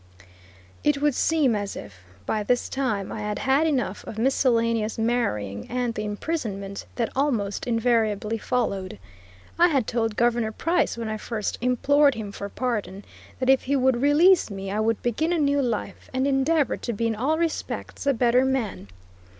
It would seem as if, by this time, I had had enough of miscellaneous marrying and the imprisonment that almost invariably followed. I had told Governor Price, when I first implored him for pardon, that if he would release me I would begin a new life, and endeavor to be in all respects a better man.